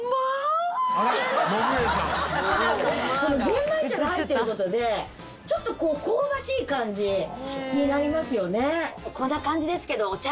玄米茶が入ってる事でちょっとこう香ばしい感じになりますよね。